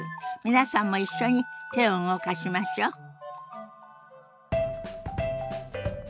皆さんも一緒に手を動かしましょう。